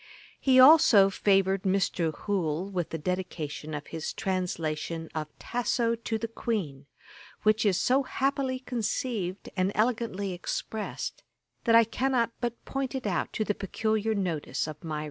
He also favoured Mr. Hoole with the Dedication of his translation of Tasso to the Queen,[*] which is so happily conceived and elegantly expressed, that I cannot but point it out to the peculiar notice of my readers.